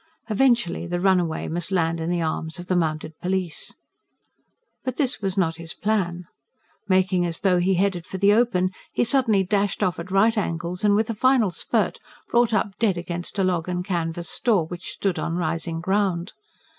Eventually the runaway must land in the arms of the mounted police. But this was not his plan. Making as though he headed for the open, he suddenly dashed off at right angles, and, with a final sprint, brought up dead against a log and canvas store which stood on rising ground.